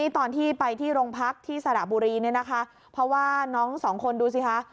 ตอนที่ไปที่โรงพักที่สระบุรีเพราะว่าน้อง๒คนดูสิค่ะ